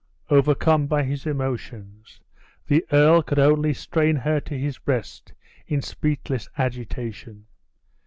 Overcome by his emotions, the earl could only strain her to his breast in speechless agitation.